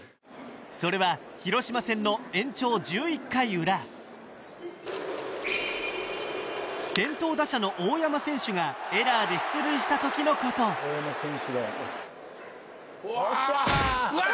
それは広島戦の延長１１回裏先頭打者の大山選手がエラーで出塁した時の事うわうわっ！